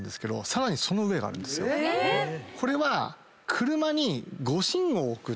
これは。